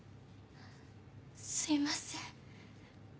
すいません。